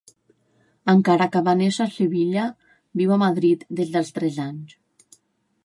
Encara que va néixer a Sevilla viu a Madrid des dels tres anys.